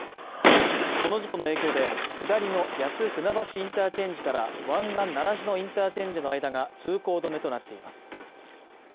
この事故の影響で下りの谷津船橋インターチェンジから湾岸習志野インターチェンジの間が通行止めとなっています